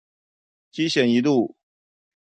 七賢一路